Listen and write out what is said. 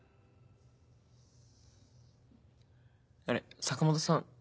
あれ坂本さん